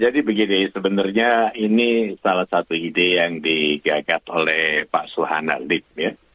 jadi begini sebenarnya ini salah satu ide yang digagas oleh pak suhana lim ya